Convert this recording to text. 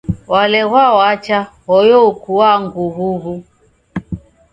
Waleghwa wacha hoyo ukuaa ngughughu.